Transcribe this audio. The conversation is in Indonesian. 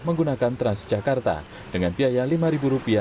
menggunakan transjakarta dengan biaya rp lima